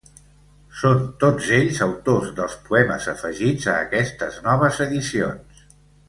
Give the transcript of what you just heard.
Són, tots ells, autors dels poemes afegits a aquestes noves edicions.